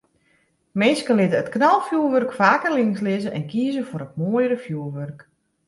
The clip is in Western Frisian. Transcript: Minsken litte it knalfjoerwurk faker links lizze en kieze foar it moaiere fjoerwurk.